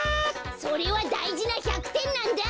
それはだいじな１００てんなんだ！